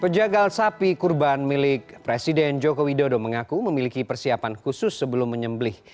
pejagal sapi kurban milik presiden joko widodo mengaku memiliki persiapan khusus sebelum menyembelih